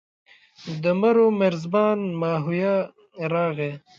د مرو مرزبان ماهویه راغی.